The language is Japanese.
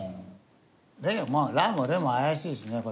だけど「ラ」も「レ」も怪しいしねこれ。